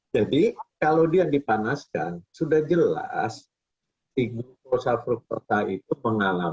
jadi kalau dia dipanaskan sudah jelas glukosa dan fruktosa itu mengalami